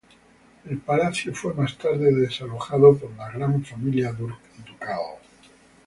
El palacio fue más tarde desalojado por la Gran familia Ducal.